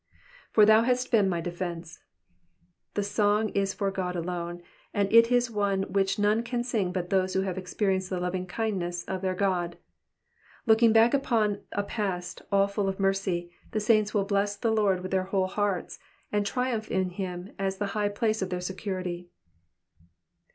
''^For thou hast been my defence.'''' The song is for God alone, and it is one which none can sing but those who have experienced the lovingkindness of their God. Look ing back upon a past all full of mercy, the saints will bless the Lord with their whole hearts, and triumph in him as the high place of their security.